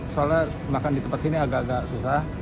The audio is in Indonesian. soalnya makan di tempat sini agak agak susah